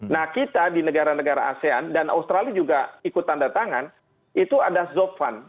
nah kita di negara negara asean dan australia juga ikut tanda tangan itu ada zovan